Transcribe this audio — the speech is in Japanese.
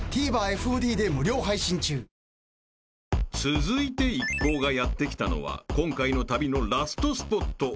［続いて一行がやって来たのは今回の旅のラストスポット